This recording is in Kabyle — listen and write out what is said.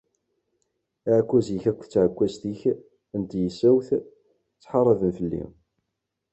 Aɛekkwaz-ik akked tɛekkwazt-ik n tkessawt ttḥaraben fell-i.